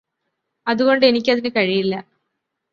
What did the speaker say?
അതുകൊണ്ട് എനിക്കതിന് കഴിയില്ലാ